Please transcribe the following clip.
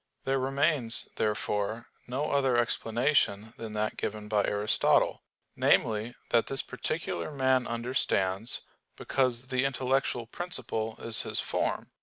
There remains, therefore, no other explanation than that given by Aristotle namely, that this particular man understands, because the intellectual principle is his form.